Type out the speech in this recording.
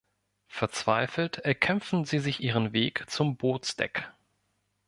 Verzweifelt erkämpfen sie sich ihren Weg zum Bootsdeck.